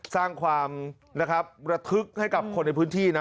สร้างความนะครับระทึกให้กับคนในพื้นที่นะ